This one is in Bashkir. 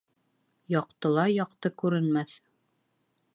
Яҡтыла яҡты күренмәҫ.